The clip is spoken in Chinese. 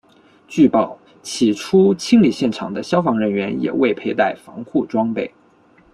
据报起初清理现场的消防人员也未佩戴防护装备。